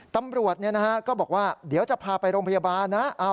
ตำรวจก็บอกว่าเดี๋ยวจะพาไปโรงพยาบาลนะ